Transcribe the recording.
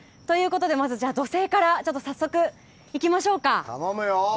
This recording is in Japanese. まず土星から早速、行きましょうか。